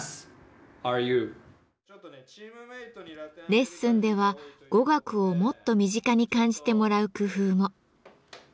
レッスンでは語学をもっと身近に感じてもらう工夫も。